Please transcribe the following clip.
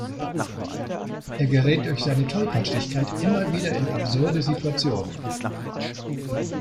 Er gerät durch seine Tollpatschigkeit immer wieder in absurde Situationen.